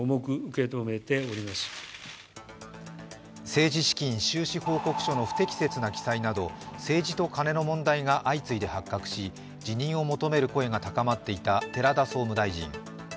政治資金収支報告書の不適切な記載など政治とカネの問題が相次いで発覚し、辞任を求める声が高まっていた寺田総務大臣。